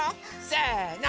せの！